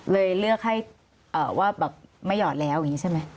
เลยเลือกให้ว่าแบบไม่หอดแล้วอย่างนี้ใช่ไหม